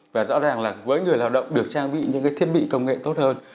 và rõ ràng là với người lao động được trang bị những cái thiết bị công nghệ tốt hơn